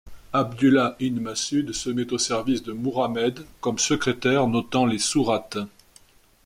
Abdullâh ibn Masûd se met au service de Mouhammed comme secrétaire notant les sourates.